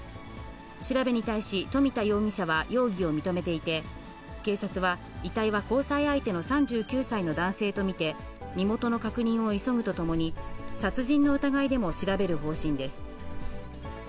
調べに対し富田容疑者は容疑を認めていて、警察は遺体は交際相手の３９歳の男性と見て、身元の確認を急ぐとともに、殺人の疑いでも調べる方針です。